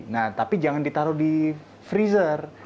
nah tapi jangan ditaruh di freezer